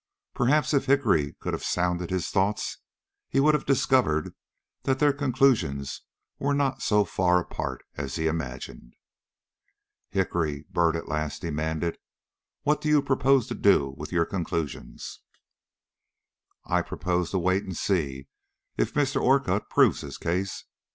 Perhaps if Hickory could have sounded his thoughts he would have discovered that their conclusions were not so far apart as he imagined. "Hickory," Byrd at last demanded, "what do you propose to do with your conclusions?" "I propose to wait and see if Mr. Orcutt proves his case.